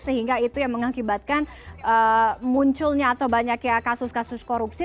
sehingga itu yang mengakibatkan munculnya atau banyaknya kasus kasus korupsi